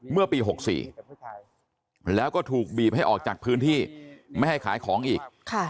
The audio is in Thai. เมื่อปี๖๔แล้วก็ถูกบีบให้ออกจากพื้นที่ไม่ให้ขายของอีก